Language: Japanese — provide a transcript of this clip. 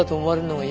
はい。